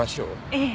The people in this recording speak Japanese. ええ。